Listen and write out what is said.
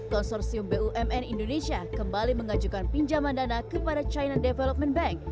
konsorsium bumn indonesia kembali mengajukan pinjaman dana kepada china development bank